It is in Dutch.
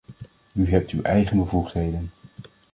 U hebt uw eigen bevoegdheden.